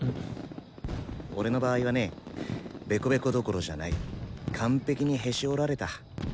俺の場合はねベコベコどころじゃない完璧にへし折られた。